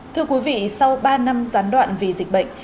thưa quý vị sau ba năm gián đoạn vì dịch bệnh